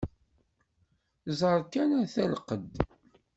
Ẓer kan ata lqedd!